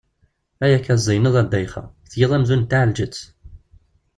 Ayakka tzeyneḍ a Ddayxa, tgiḍ amzun d taɛelǧet!